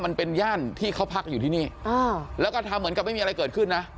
มันเป็นย่านที่เขาพักอยู่ที่นี่แล้วก็ทำเหมือนกับไม่มีอะไรเกิดขึ้นนะ